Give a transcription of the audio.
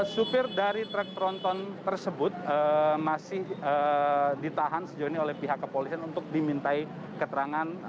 supir dari truk tronton tersebut masih ditahan sejauh ini oleh pihak kepolisian untuk dimintai keterangan